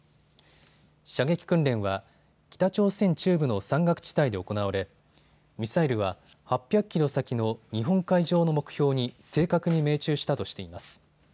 射撃訓練は北朝鮮中部の山岳地帯で行われミサイルは８００キロ先の日本海上の目標に正確に命中したとしています。